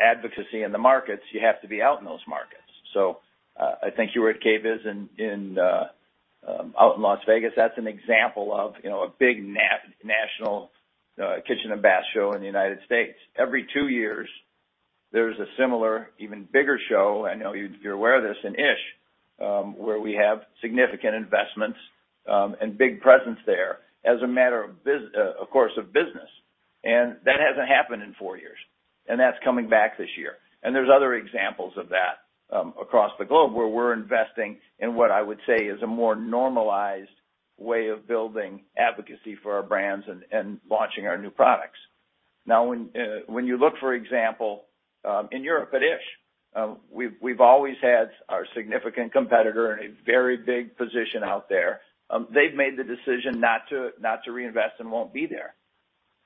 advocacy in the markets, you have to be out in those markets. I think you were at KBIS in Las Vegas. That's an example of, you know, a big national kitchen and bath show in the United States. Every two years, there's a similar, even bigger show, I know you're aware of this, in ISH, where we have significant investments and big presence there as a matter of course, of business. That hasn't happened in four years, and that's coming back this year. There's other examples of that across the globe where we're investing in what I would say is a more normalized way of building advocacy for our brands and launching our new products. When you look, for example, in Europe at ISH, we've always had our significant competitor in a very big position out there. They've made the decision not to reinvest and won't be there.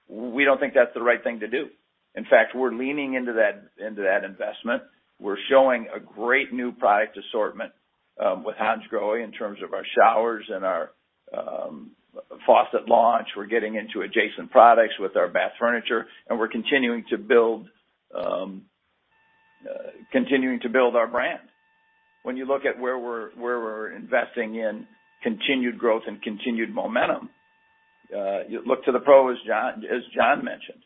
We don't think that's the right thing to do. In fact, we're leaning into that investment. We're showing a great new product assortment with Hansgrohe in terms of our showers and our faucet launch. We're getting into adjacent products with our bath furniture, and we're continuing to build our brand. When you look at where we're investing in continued growth and continued momentum, you look to the Pro, as John mentioned.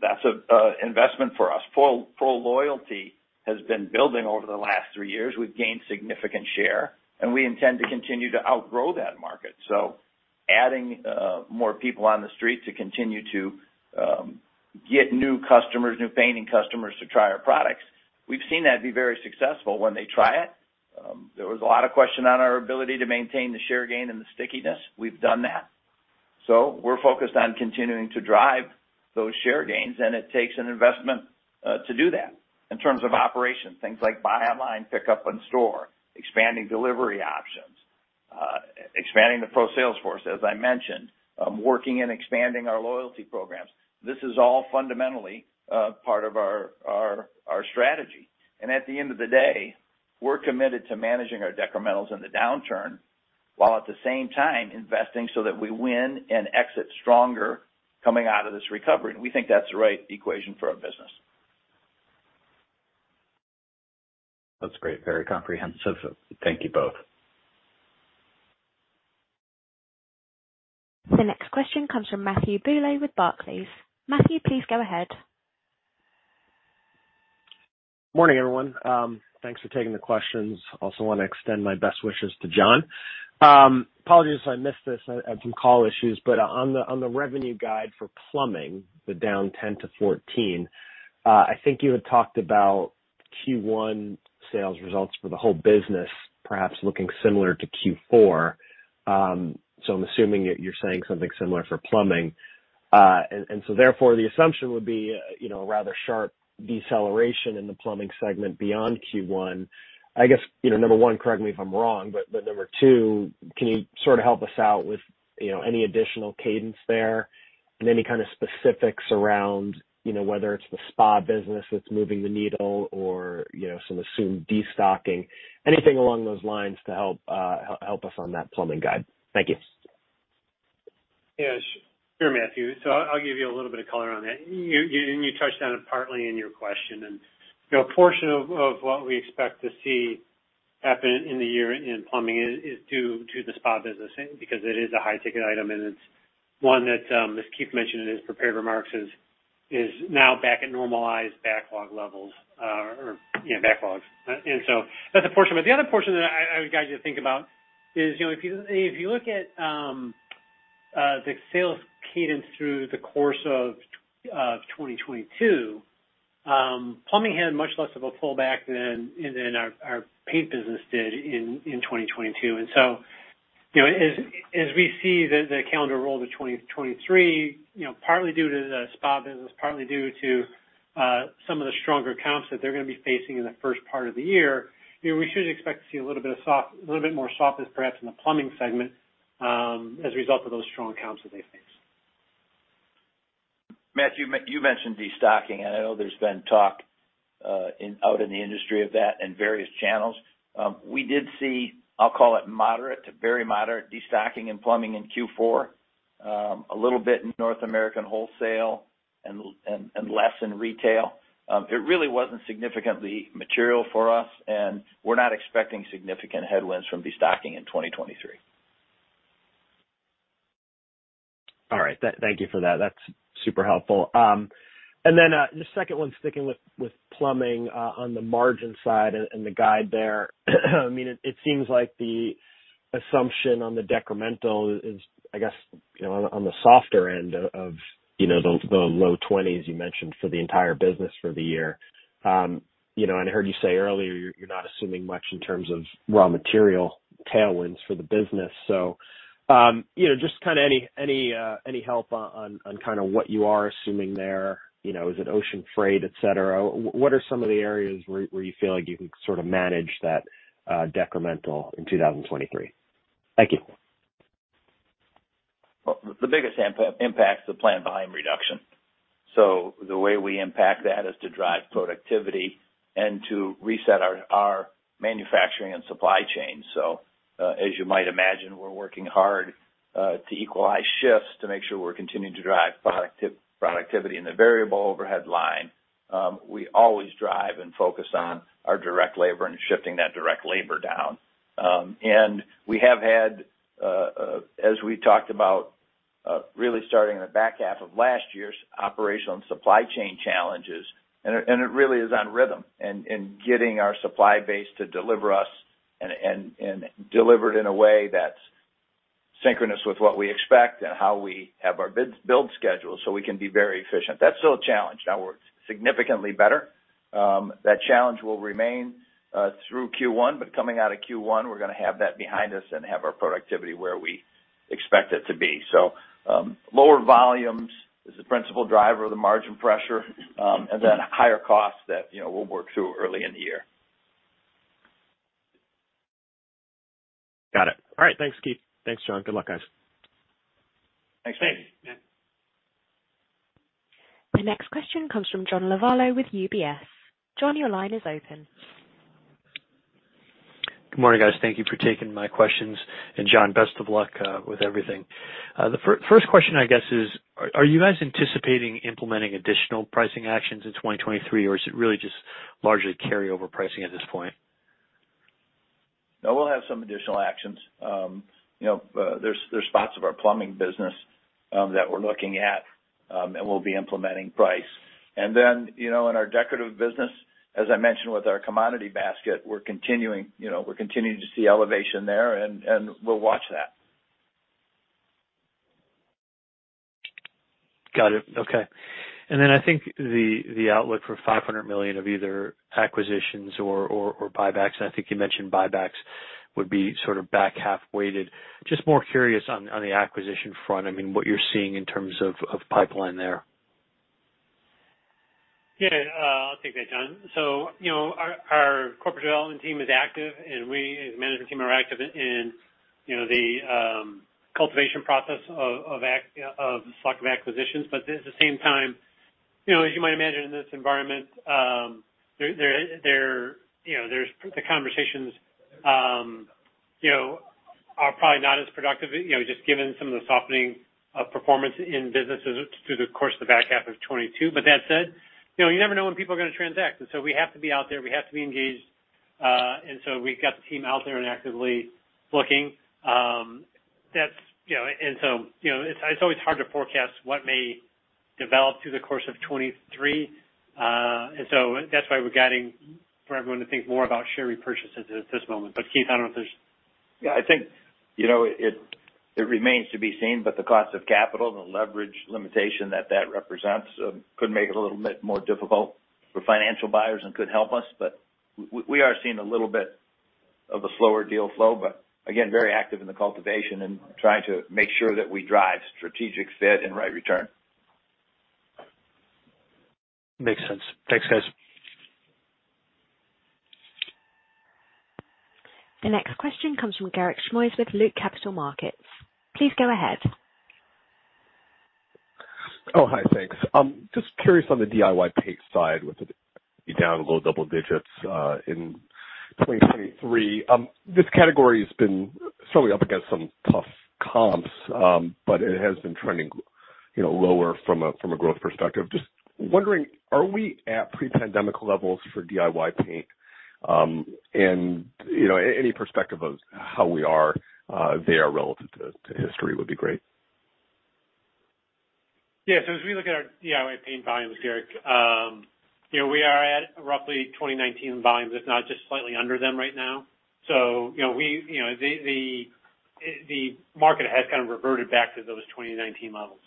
That's an investment for us. Pro loyalty has been building over the last three years. We've gained significant share, and we intend to continue to outgrow that market. Adding more people on the street to continue to get new customers, new painting customers to try our products, we've seen that be very successful when they try it. There was a lot of question on our ability to maintain the share gain and the stickiness. We've done that. We're focused on continuing to drive those share gains, and it takes an investment to do that. In terms of operations, things like buy online, pickup in store, expanding delivery options, expanding the Pro sales force, as I mentioned, working and expanding our loyalty programs. This is all fundamentally, part of our, our strategy. At the end of the day, we're committed to managing our decrementals in the downturn, while at the same time investing so that we win and exit stronger coming out of this recovery. We think that's the right equation for our business. That's great. Very comprehensive. Thank you both. The next question comes from Matthew Bouley with Barclays. Matthew, please go ahead. Morning, everyone. Thanks for taking the questions. Also wanna extend my best wishes to John. Apologies if I missed this. I have some call issues. On the revenue guide for plumbing, the down 10%-14%, I think you had talked about Q1 sales results for the whole business perhaps looking similar to Q4. I'm assuming you're saying something similar for plumbing. Therefore, the assumption would be, you know, a rather sharp deceleration in the plumbing segment beyond Q1. I guess, you know, number one, correct me if I'm wrong, number two, can you sort of help us out with, you know, any additional cadence there and any kind of specifics around, you know, whether it's the spa business that's moving the needle or, you know, some assumed destocking? Anything along those lines to help us on that plumbing guide. Thank you. Yes. Sure, Matthew. I'll give you a little bit of color on that. You touched on it partly in your question. You know, a portion of what we expect to see happen in the year in plumbing is due to the spa business because it is a high-ticket item, and it's one that, as Keith mentioned in his prepared remarks, is now back at normalized backlog levels, or, you know, backlogs. That's a portion. The other portion that I would guide you to think about is, you know, if you look at the sales cadence through the course of 2022, plumbing had much less of a pullback than our paint business did in 2022. You know, as we see the calendar roll to 2023, you know, partly due to the spa business, partly due to some of the stronger comps that they're gonna be facing in the first part of the year, you know, we should expect to see a little bit more softness perhaps in the plumbing segment as a result of those strong comps that they faced. Matthew, you mentioned destocking, and I know there's been talk out in the industry of that and various channels. We did see, I'll call it moderate to very moderate destocking in plumbing in Q4, a little bit in North American wholesale and less in retail. It really wasn't significantly material for us, and we're not expecting significant headwinds from destocking in 2023. All right. Thank you for that. That's super helpful. The second one, sticking with plumbing, on the margin side and the guide there. I mean, it seems like the assumption on the decremental is, I guess, you know, on the softer end of, you know, the low 20s you mentioned for the entire business for the year. You know, I heard you say earlier you're not assuming much in terms of raw material tailwinds for the business. You know, just kinda any help on kinda what you are assuming there? You know, is it ocean freight, et cetera? What are some of the areas where you feel like you can sort of manage that decremental in 2023? Thank you. The biggest impact is the plan volume reduction. The way we impact that is to drive productivity and to reset our manufacturing and supply chain. As you might imagine, we're working hard to equalize shifts to make sure we're continuing to drive productivity in the variable overhead line. We always drive and focus on our direct labor and shifting that direct labor down. We have had, as we talked about, really starting in the back half of last year's operational and supply chain challenges, and it really is on rhythm and getting our supply base to deliver us and deliver it in a way that's synchronous with what we expect and how we have our build schedule, so we can be very efficient. That's still a challenge. Now we're significantly better. That challenge will remain, through Q1. Coming out of Q1, we're gonna have that behind us and have our productivity where we expect it to be. Lower volumes is the principal driver of the margin pressure, and then higher costs that, you know, we'll work through early in the year. Got it. All right. Thanks, Keith. Thanks, John. Good luck, guys. Thanks. Thanks. Yeah. The next question comes from John Lovallo with UBS. John, your line is open. Good morning, guys. Thank you for taking my questions. John, best of luck with everything. The first question, I guess is, are you guys anticipating implementing additional pricing actions in 2023, or is it really just largely carryover pricing at this point? No, we'll have some additional actions. You know, there's spots of our plumbing business that we're looking at, and we'll be implementing price. Then, you know, in our decorative business, as I mentioned with our commodity basket, we're continuing, you know, to see elevation there and we'll watch that. Got it. Okay. I think the outlook for $500 million of either acquisitions or buybacks, and I think you mentioned buybacks would be sort of back half weighted. Just more curious on the acquisition front, I mean, what you're seeing in terms of pipeline there. Yeah. I'll take that, John. You know, our corporate development team is active, and we as a management team are active in, you know, the cultivation process of acquisitions. At the same time, you know, as you might imagine in this environment, there, you know, the conversations, you know, are probably not as productive, you know, just given some of the softening of performance in businesses through the course of the back half of 2022. That said, you know, you never know when people are gonna transact, and so we have to be out there. We have to be engaged. We've got the team out there and actively looking. That's, you know, and so, you know, it's always hard to forecast what may develop through the course of 2023. That's why we're guiding for everyone to think more about share repurchases at this moment. Keith, I don't know if there's. Yeah. I think, you know, it remains to be seen, but the cost of capital and the leverage limitation that that represents, could make it a little bit more difficult for financial buyers and could help us. We are seeing a little bit of a slower deal flow, but again, very active in the cultivation and trying to make sure that we drive strategic fit and right return. Makes sense. Thanks, guys. The next question comes from Garik Shmois with Loop Capital Markets. Please go ahead. Oh, hi. Thanks. Just curious on the DIY paint side with the down low double digits in 2023. This category has been certainly up against some tough comps, but it has been trending, you know, lower from a growth perspective. Just wondering, are we at pre-pandemic levels for DIY paint? you know, any perspective of how we are there relative to history would be great. Yeah. As we look at our DIY paint volumes, Garik, you know, we are at roughly 2019 volumes, if not just slightly under them right now. You know, we, you know, the market has kind of reverted back to those 2019 levels.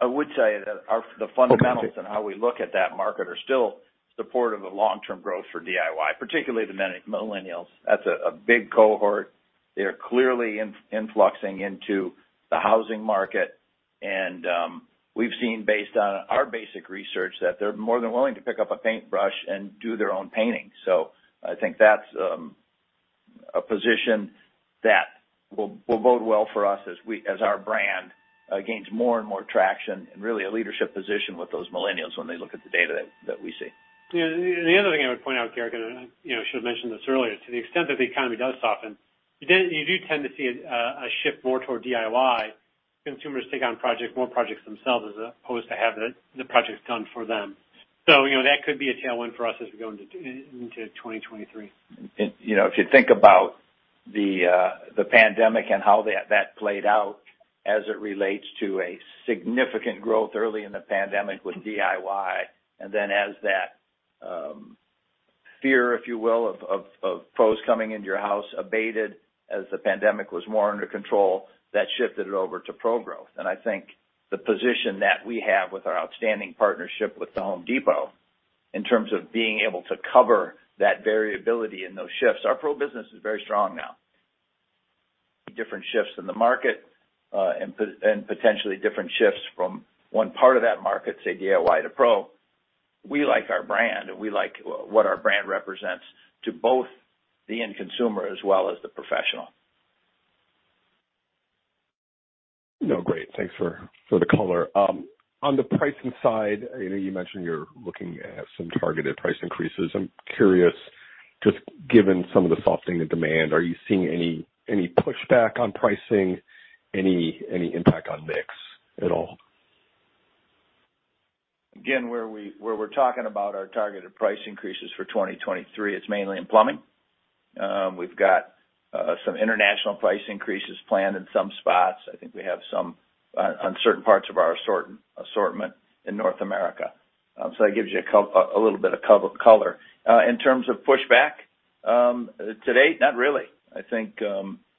I would say that the fundamentals. Okay. How we look at that market are still supportive of long-term growth for DIY, particularly the millennials. That's a big cohort. They're clearly influxing into the housing market. We've seen based on our basic research that they're more than willing to pick up a paintbrush and do their own painting. I think that's a position that will bode well for us as our brand gains more and more traction and really a leadership position with those millennials when they look at the data that we see. Yeah. The other thing I would point out, Garik, you know, I should have mentioned this earlier, to the extent that the economy does soften, you do tend to see a shift more toward DIY. Consumers take on projects, more projects themselves, as opposed to have the projects done for them. You know, that could be a tailwind for us as we go into 2023. You know, if you think about the pandemic and how that played out as it relates to a significant growth early in the pandemic with DIY, then as that fear, if you will, of foes coming into your house abated as the pandemic was more under control, that shifted it over to pro growth. I think the position that we have with our outstanding partnership with The Home Depot in terms of being able to cover that variability in those shifts. Our pro business is very strong now. Different shifts in the market, and potentially different shifts from one part of that market, say DIY to Pro. We like our brand, and we like what our brand represents to both the end consumer as well as the professional. No, great. Thanks for the color. On the pricing side, I know you mentioned you're looking at some targeted price increases. I'm curious, just given some of the softening of demand, are you seeing any pushback on pricing? Any impact on mix at all? Where we're talking about our targeted price increases for 2023, it's mainly in plumbing. We've got some international price increases planned in some spots. I think we have some on certain parts of our assortment in North America. That gives you a little bit of color. In terms of pushback, to date, not really. I think,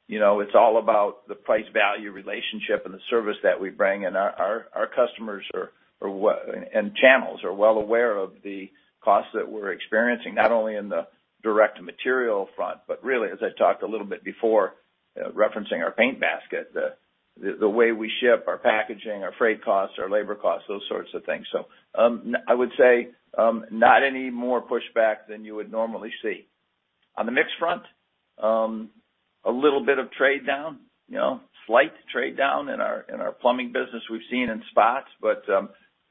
you know, it's all about the price-value relationship and the service that we bring, and our customers and channels are well aware of the costs that we're experiencing, not only in the direct material front, but really, as I talked a little bit before, referencing our paint basket, the way we ship our packaging, our freight costs, our labor costs, those sorts of things. I would say not any more pushback than you would normally see. On the mix front, a little bit of trade down, you know, slight trade down in our plumbing business we've seen in spots, but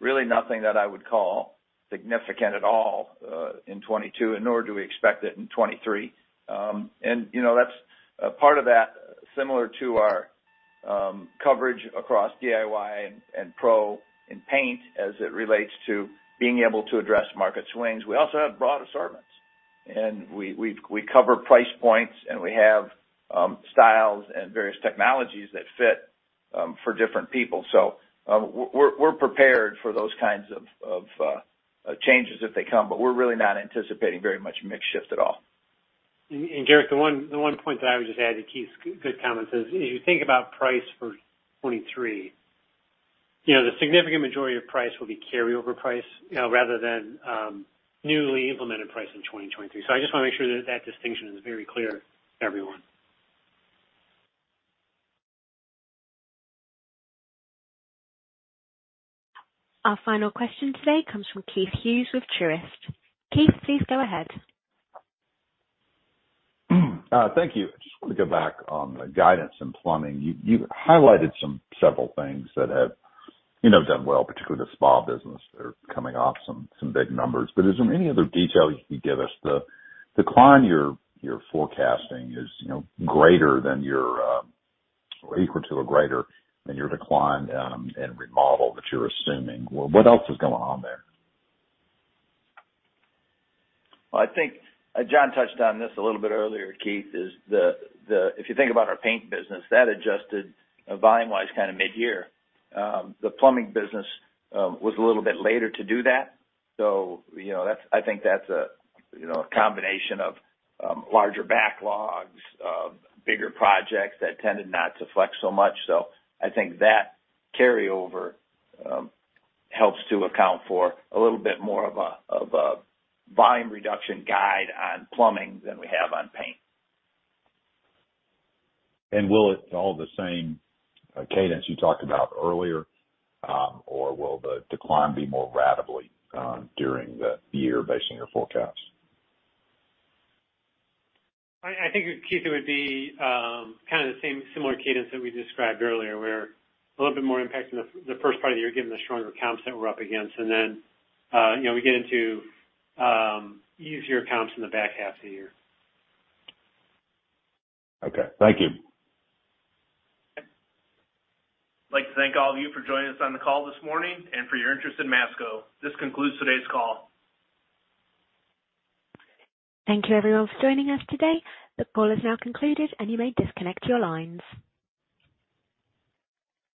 really nothing that I would call significant at all in 2022, and nor do we expect it in 2023. You know, that's a part of that, similar to our coverage across DIY and Pro in paint as it relates to being able to address market swings. We also have broad assortments, and we cover price points, and we have styles and various technologies that fit for different people. We're prepared for those kinds of changes if they come, but we're really not anticipating very much mix shift at all. John, the one point that I would just add to Keith's good comment is, if you think about price for 2023, you know, the significant majority of price will be carryover price, you know, rather than newly implemented price in 2023. I just wanna make sure that that distinction is very clear to everyone. Our final question today comes from Keith Hughes with Truist. Keith, please go ahead. Thank you. I just wanna go back on the guidance in plumbing. You highlighted several things that have, you know, done well, particularly the spa business. They're coming off some big numbers. Is there any other detail you can give us? The decline you're forecasting is, you know, greater than your or equal to or greater than your decline in remodel that you're assuming. What else is going on there? I think, John touched on this a little bit earlier, Keith, is if you think about our paint business, that adjusted volume-wise kind of mid-year. The plumbing business was a little bit later to do that. You know, that's I think that's a, you know, a combination of larger backlogs, bigger projects that tended not to flex so much. I think that carryover helps to account for a little bit more of a volume reduction guide on plumbing than we have on paint. Will it follow the same cadence you talked about earlier, or will the decline be more rapidly during the year, based on your forecast? I think, Keith, it would be kind of the same similar cadence that we described earlier, where a little bit more impact in the first part of the year, given the stronger comps that we're up against. You know, we get into easier comps in the back half of the year. Okay. Thank you. I'd like to thank all of you for joining us on the call this morning and for your interest in Masco. This concludes today's call. Thank you everyone for joining us today. The call is now concluded, and you may disconnect your lines.